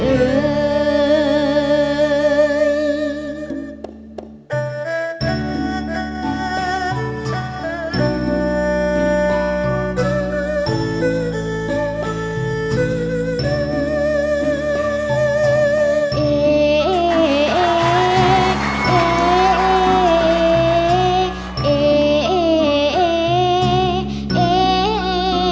โอ้เอ่ยอีนางลูกแม่นี้เอ่ย